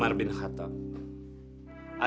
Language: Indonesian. berhenti nggak tapi